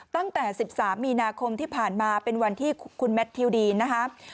ตั้งแต่๑๓มีนาคมที่ผ่านมาเป็นวันที่คุณแมททิวดีนนะครับ